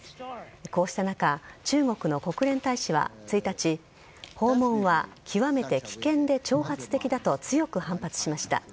こうした中、中国の国連大使は１日、訪問は極めて危険で挑発的だと強く反発しました。